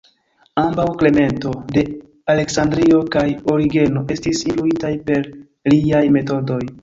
Ambaŭ Klemento de Aleksandrio kaj Origeno estis influitaj per liaj metodoj.